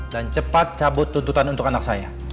dan cepat cabut tuntutan untuk anak saya